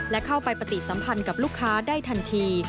และเข้าไปปฏิสัมพันธ์กับลูกค้าได้ทันที